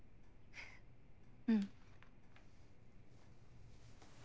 うん。